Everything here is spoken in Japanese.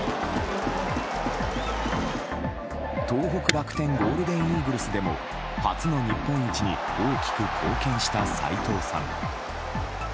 東北楽天ゴールデンイーグルスでも初の日本一に大きく貢献した斎藤さん。